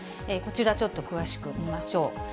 こちら、ちょっと詳しく見ましょう。